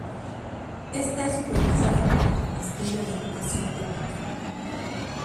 Esta es supervisada por el Ministerio de Educación Pública.